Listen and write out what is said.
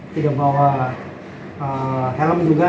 sudah bawa helm juga